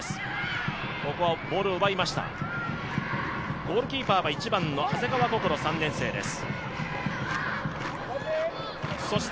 ゴールキーパーは長谷川想３年生です。